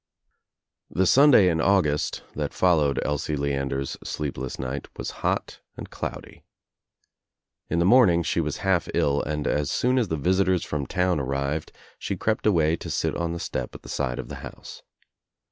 ^P The Sunday in August that followed Elsie Leander's sleepless night was hot and cloudy. In the morning she was half ill and as soon as the visitors from town arrived she crept away to sit on the step at the side of the house.